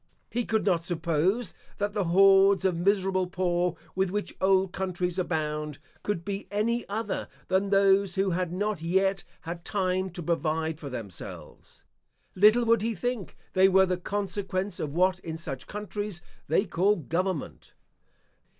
He could not suppose that the hordes of miserable poor with which old countries abound could be any other than those who had not yet had time to provide for themselves. Little would he think they were the consequence of what in such countries they call government.